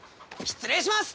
失礼します！